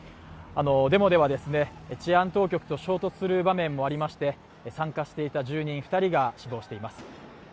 デモでは、治安当局と衝突する場面もありまして参加していた住人２人が死亡しています。